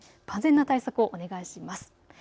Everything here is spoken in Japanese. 万全な対策をお願いします。